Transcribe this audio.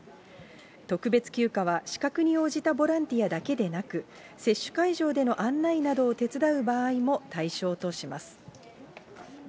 特別休暇は資格に応じたボランティアだけでなく、接種会場での案内などを手伝う場合も対象とします。